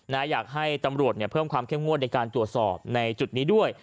อยากให้ตำรวจเนี่ยเพิ่มความเข้มงวดในการตรวจสอบในจุดนี้ด้วย